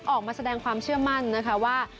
ออกมาแสดงความเชื่อมั่นนะคะว่า